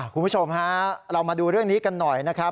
คุณผู้ชมฮะเรามาดูเรื่องนี้กันหน่อยนะครับ